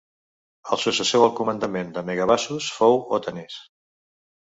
El successor al comandament de Megabazus fou Otanes.